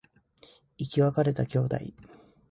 生き別れた兄弟